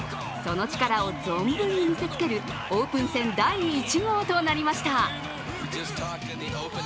その力を存分に見せつけるオープン戦第１号となりました。